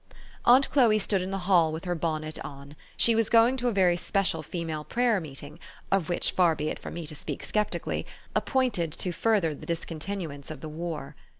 Aunt Chloe stood in the hall with her bonnet on. She was going to a very special female prayer meet ing (of which far be it from me to speak scepti cally), appointed to further the discontinuance of the war.